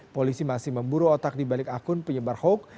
polisi masih memburu otak di balik akun penyebar hoax